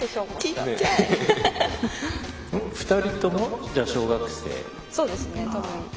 ２人とも小学生。